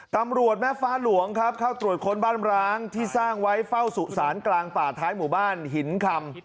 ตำรวจแม่ฟ้าหลวงครับเข้าตรวจค้นบ้านร้างที่สร้างไว้เฝ้าสุสานกลางป่าท้ายหมู่บ้านหินคำ